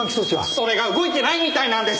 それが動いてないみたいなんです。